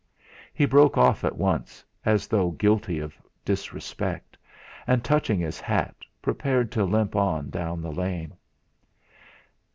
He broke off at once, as though guilty of disrespect, and touching his hat, prepared to limp on down the lane.